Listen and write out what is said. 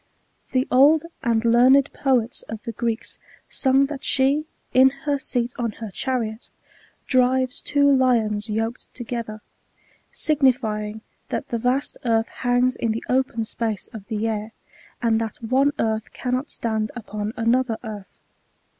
The old and learned poets of the Gieeks sung that she, in her seat on her chariot, drives two lions yoked together ; sig nifjring that the vast earth hangs in the open space of the air, and that one earth cannot stand upon another earth.